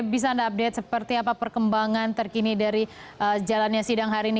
bisa anda update seperti apa perkembangan terkini dari jalannya sidang hari ini